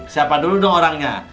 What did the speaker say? siapa dulu dong orangnya